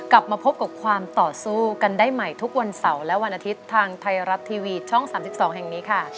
กลับมาพบกับความต่อสู้กันได้ใหม่ทุกวันเสาร์และวันอาทิตย์ทางไทยรัฐทีวีช่อง๓๒แห่งนี้ค่ะ